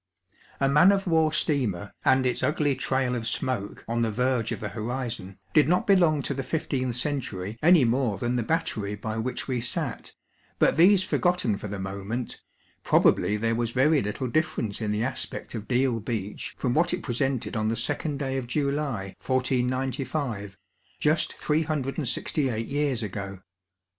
A man of war steamer, and its ugly trail of smoke on the verge of the horizon, did not belong to the fifteenth century any more than the Battery by which we sat, but these forgotten for tlie moment, probably there was very little difference in the aspeot of Deal Beach from what it presented on the 2nd day of July, 1495, just 3G8 years ago.